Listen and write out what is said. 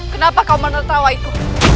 kenapa kau menertawaiku